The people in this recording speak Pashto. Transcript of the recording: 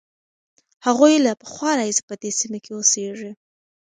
هغوی له پخوا راهیسې په دې سیمه کې اوسېږي.